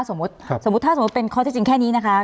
สมมุติสมมุติถ้าสมมุติเป็นข้อที่จริงแค่นี้นะคะ